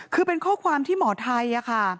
คือเป็นข้อความที่หมอไทยค่ะ